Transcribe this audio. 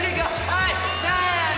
はいせーの！